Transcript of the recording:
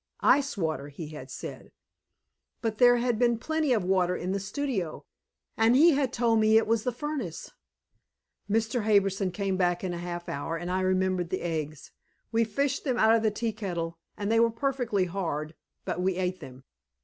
Ice water, he had said. But there had been plenty of water in the studio! And he had told me it was the furnace. Mr. Harbison came back in a half hour, and I remembered the eggs. We fished them out of the tea kettle, and they were perfectly hard, but we ate them.